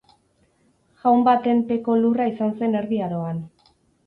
Jaun baten peko lurra izan zen Erdi Aroan.